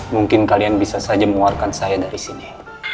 mungkin kalian bisa saja mengeluarkan saya dari sini